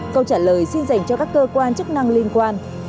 câu trả lời xin dành cho các cơ quan chức năng liên quan